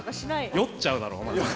酔っちゃうだろ。